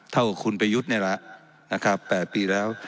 เท่ากับคุณประยุทธ์นี่แหละนะครับ๘ปีแล้ว